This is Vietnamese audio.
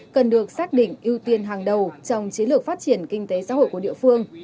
cần được xác định ưu tiên hàng đầu trong chiến lược phát triển kinh tế xã hội của địa phương